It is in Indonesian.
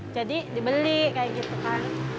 jadi dibeli kayak gitu kan